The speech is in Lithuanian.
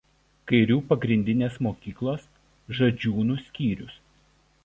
Kairių pagrindinės mokyklos Žadžiūnų skyrius.